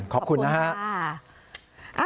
ขอบคุณนะฮะ